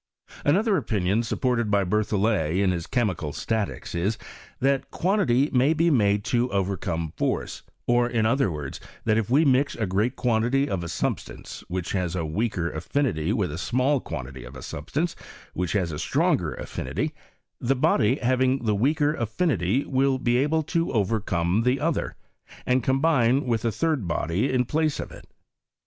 Another opinion supported by Berthollet in his Chemical Statics is, that quantity may be made to overcome force ; or, in other words, that if we mix a great quantity of a substance which has a weaker affinity with a small quantity of a substance which has a stronger affinity, the body having the weaker affinity will be able to overcome the other, and com bine with a third body in place of it.